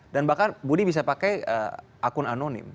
bahkan budi bisa pakai akun anonim